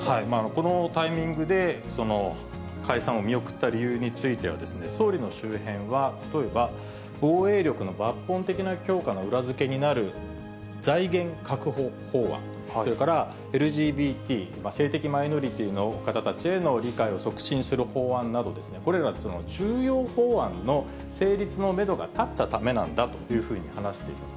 このタイミングで、その解散を見送った理由については、総理の周辺は、例えば、防衛力の抜本的な強化の裏付けになる財源確保法案、それからＬＧＢＴ・性的マイノリティーの方たちへの理解を促進する法案など、これら重要法案の成立のメドが立ったためなんだというふうに話しています。